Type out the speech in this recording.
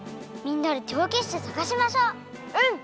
みんなでてわけしてさがしましょう！